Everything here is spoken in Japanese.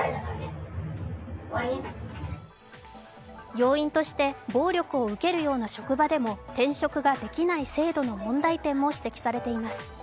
要因として暴力を受けるような職場でも転職ができない制度の問題点も指摘されています。